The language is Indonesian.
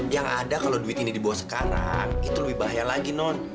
yang ada kalau duit ini dibawa sekarang itu lebih bahaya lagi non